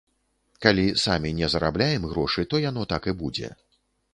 Калі самі не зарабляем грошы, то яно так і будзе.